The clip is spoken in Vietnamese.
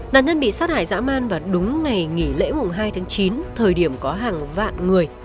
nạn nhân bị sát hại dạ mạn vào đúng ngày nghỉ lễ mùng hai tháng chín thời điểm có hàng vạn người